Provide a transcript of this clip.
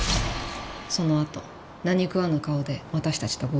そのあと何食わぬ顔で私たちと合流した。